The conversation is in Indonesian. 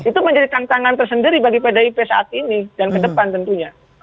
itu menjadi tantangan tersendiri bagi pdip saat ini dan ke depan tentunya